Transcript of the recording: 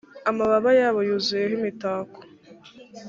amababa yabo yuzuyeho imitako.